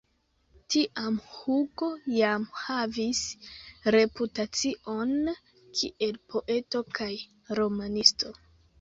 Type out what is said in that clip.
Tiam Hugo jam havis reputacion kiel poeto kaj romanisto.